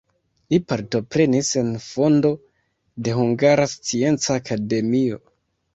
Li partoprenis en fondo de Hungara Scienca Akademio.